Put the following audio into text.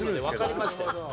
分かりましたよ。